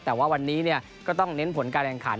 แต่ว่าวันนี้ก็ต้องเน้นผลการแข่งขัน